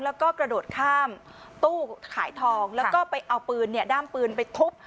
แล้วก็กระโดดข้ามตู้ขายทองแล้วก็ไปเอาปืนด้ามปืนไปทุบ